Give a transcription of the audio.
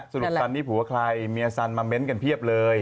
สรุปซันนี่ผัวใครเมียสันมาเม้นต์กันเพียบเลย